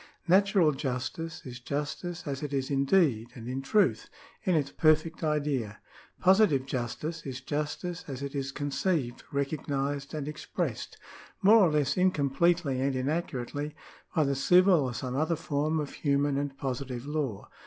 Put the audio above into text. Natural justice is justice as it is in deed and in truth — in its perfect idea. Positive justice is justice as it is conceived, recognised, and expressed, more or less incompletely and inaccurately, by the civil or some other form of human and positive law.